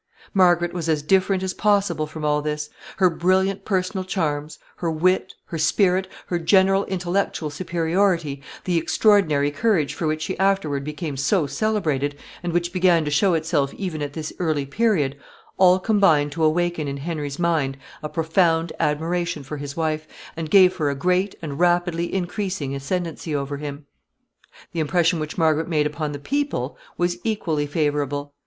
Margaret was as different as possible from all this. Her brilliant personal charms, her wit, her spirit, her general intellectual superiority, the extraordinary courage for which she afterward became so celebrated, and which began to show itself even at this early period, all combined to awaken in Henry's mind a profound admiration for his wife, and gave her a great and rapidly increasing ascendency over him. [Sidenote: Her popularity in England.] The impression which Margaret made upon the people was equally favorable.